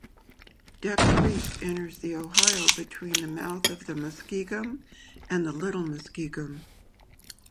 Duck Creek enters the Ohio between the mouth of the Muskingum and Little Muskingum.